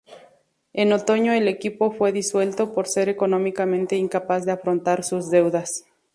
En otoño el equipo fue disuelto por ser económicamente incapaz de afrontar sus deudas.